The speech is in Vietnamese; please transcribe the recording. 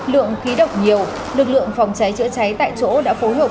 lượng khí độc nhiều lực lượng phòng cháy chữa cháy tại chỗ đã phối hợp